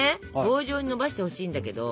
棒状にのばしてほしいんだけど。